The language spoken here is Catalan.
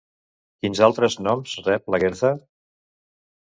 Quins altres noms rep Lagertha?